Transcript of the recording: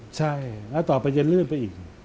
ใช่แล้วต่อไปจะลื่นไปอีก